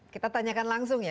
kita tanyakan langsung ya